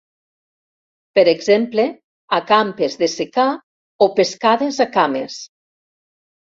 Per exemple, "acampes de secà" o "pescades a cames".